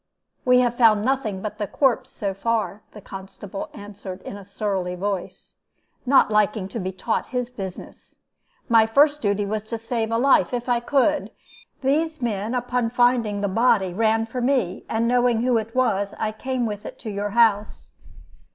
"'We have found nothing but the corpse, so far,' the constable answered, in a surly voice, not liking to be taught his business. 'My first duty was to save life, if I could. These men, upon finding the body, ran for me, and knowing who it was, I came with it to your house.'